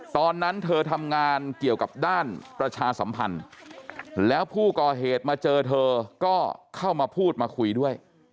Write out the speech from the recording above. ตอนนั้นเธอทำงานเกี่ยวกับด้านประชาสัมพันธ์แล้วผู้ก่อเหตุมาเจอเธอก็เข้ามาพูดมาคุยด้วย